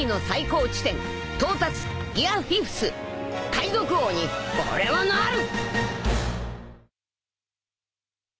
海賊王に俺はなる！